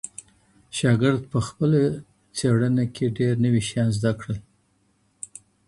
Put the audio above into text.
شاګرد په خپله څېړنه کي ډېر نوي شیان زده کړل.